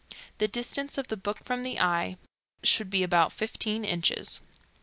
The distance of the book from the eye should be about fifteen inches.